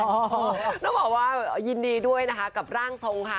ต้องบอกว่ายินดีด้วยนะคะกับร่างทรงค่ะ